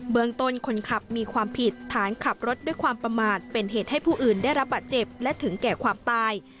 เมืองต้นคนขับมีความผิดฐานขับรถด้วยความประมาทเป็นเหตุให้ผู้อื่นได้รับบาดเจ็บและถึงแก่ความตาย